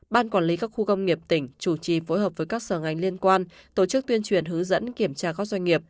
ban quản lý các khu công nghiệp tỉnh chủ trì phối hợp với các sở ngành liên quan tổ chức tuyên truyền hướng dẫn kiểm tra các doanh nghiệp